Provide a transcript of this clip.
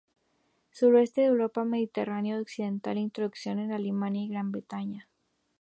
Suroeste de Europa, Mediterráneo occidental; introducido en Alemania e Gran Bretaña.